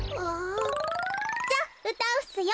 じゃあうたうっすよ。